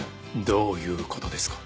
どういう事ですか？